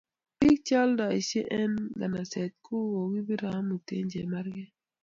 pik che yaldaishe en nganaset ko kokipara amut en chemarket